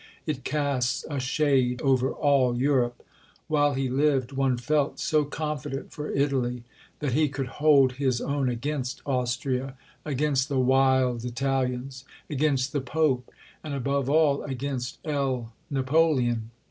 It casts a shade over all Europe. While he lived, one felt so confident for Italy, that he could hold his own against Austria, against the wild Italians, against the Pope, and above all against L. Napoleon.